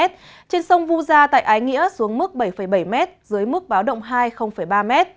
trên sông vu gia tại ái nghĩa xuống mức bảy bảy m dưới mức báo động hai ba m